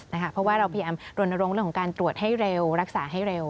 เพราะว่าเราพยายามรณรงค์เรื่องของการตรวจให้เร็วรักษาให้เร็ว